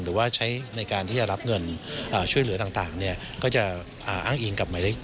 หรือว่าิการที่จะรับเงินช่วยเหลือต่าง